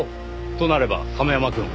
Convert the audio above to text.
となれば亀山くん。